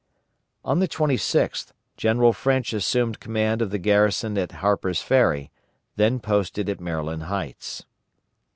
On the 26th, General French assumed command of the garrison at Harper's Ferry, then posted at Maryland Heights.